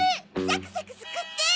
サクサクすくって！